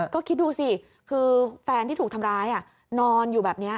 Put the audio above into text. ก็คิดดูสิคือแฟนที่ถูกทำร้ายนอนอยู่แบบนี้